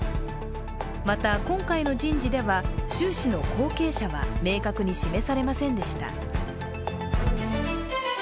また、今回の人事では習氏の後継者は明確に示されませんでした。